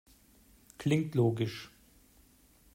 Klingt logisch.